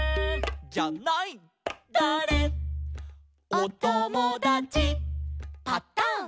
「おともだちパタン」